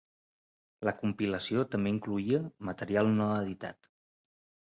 La compilació també incloïa material no editat.